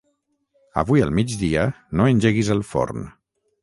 Avui al migdia no engeguis el forn.